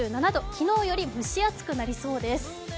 昨日より蒸し暑くなりそうです。